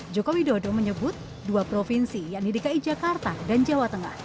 jokowi dodo menyebut dua provinsi yakni dki jakarta dan jawa tengah